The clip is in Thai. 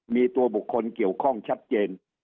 มีตัวบุคคลเกี่ยวข้องชัดเจน